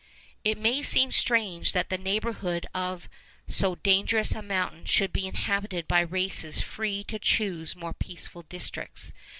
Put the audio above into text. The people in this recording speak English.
It may seem strange that the neighbourhood of so dangerous a mountain should be inhabited by races free to choose more peaceful districts.